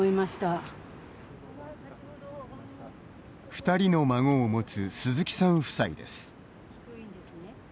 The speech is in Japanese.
２人の孫を持つ鈴木さん夫妻です。